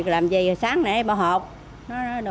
làm gì sáng nãy bỏ hộp nó đủ siêu chứng gì đó